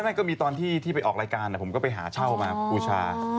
นั่นก็มีตอนที่ไปออกรายการผมก็ไปหาเช่ามาบูชา